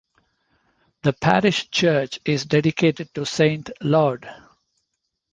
The parish church is dedicated to Saint Laud.